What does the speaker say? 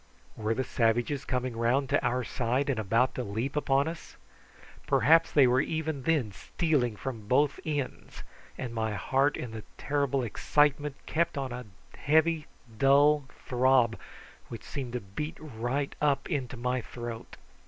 Were the savages coming round to our side and about to leap upon us? Perhaps they were even then stealing from both ends; and my heart in the terrible excitement kept on a heavy dull throb, which seemed to beat right up into my throat.